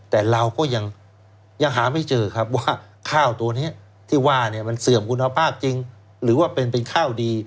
แต่เราก็ยังหาไม่เจอครับว่าข้าวตัวนี้ที่ว่าเนี่ยมันเสื่อมคุณภาพจริงหรือว่าเป็นข้าวดี